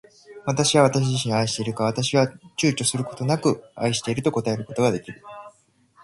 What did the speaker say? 私は私自身を愛しているか。私は躊躇ちゅうちょすることなく愛していると答えることが出来る。